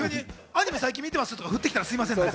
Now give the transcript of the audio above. アニメを最近見てますとか言ったら、すみませんね。